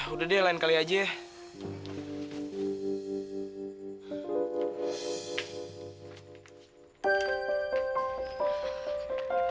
udah deh lain kali aja ya